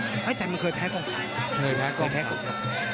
เฮ้ยแต่มันเคยแพ้กล้องสักเหรอเคยแพ้กล้องสัก